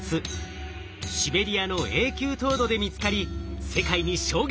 シベリアの永久凍土で見つかり世界に衝撃を与えたある生物。